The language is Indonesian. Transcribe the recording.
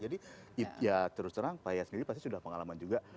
jadi ya terus terang pak eka sendiri pasti sudah pengalaman juga